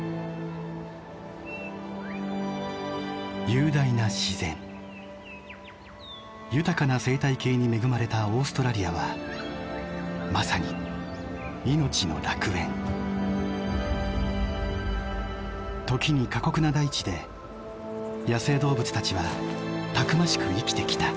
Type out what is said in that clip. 雄大な自然豊かな生態系に恵まれたオーストラリアはまさに「生命の楽園」。時に過酷な大地で野生動物たちはたくましく生きてきた。